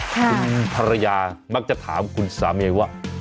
คุณภรรยามักจะถามคุณสามีว่า